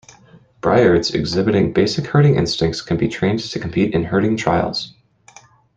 Briards exhibiting basic herding instincts can be trained to compete in herding trials.